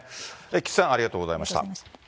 菊池さん、ありがとうございました。